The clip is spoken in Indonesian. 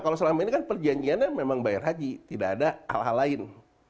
kalau selama ini kan perjanjiannya memang bayar haji tidak ada hal hal lain